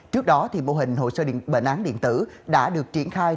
trước đó mô hình hồ sơ bệnh án điện tử đã được triển khai